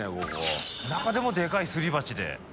戸次）中でもでかいすり鉢で。